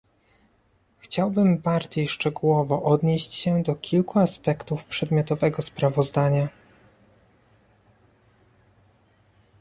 Chciałbym bardziej szczegółowo odnieść się do kilku aspektów przedmiotowego sprawozdania